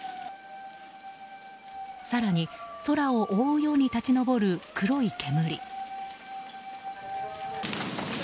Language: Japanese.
更に空を覆うように立ち上る黒い煙。